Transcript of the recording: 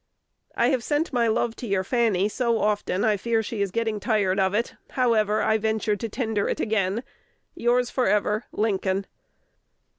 I have sent my love to your Fanny so often, I fear she is getting tired of it. However, I venture to tender it again, Yours forever, Lincoln.